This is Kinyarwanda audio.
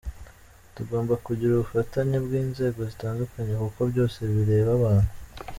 Tugomba kugira ubufatanye bw’inzego zitandukanye kuko byose bireba abantu.